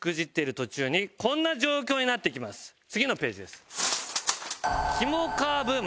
次のページです。